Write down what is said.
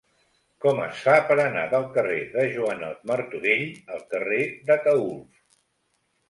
Com es fa per anar del carrer de Joanot Martorell al carrer d'Ataülf?